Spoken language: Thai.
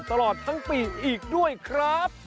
ตลอดทั้งปีอีกด้วยครับ